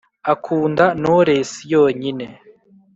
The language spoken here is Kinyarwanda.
Akunda noresi yonyine